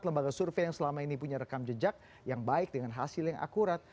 lembaga survei yang selama ini punya rekam jejak yang baik dengan hasil yang akurat